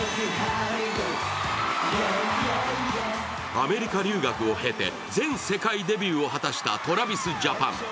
アメリカ留学を経て全世界デビューを果たしたＴｒａｖｉｓＪａｐａｎ。